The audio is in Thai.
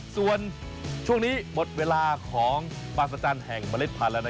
ส่วนช่วงนี้หมดเวลาของปลาสจันแห่งเมล็ดพันธุ์แล้ว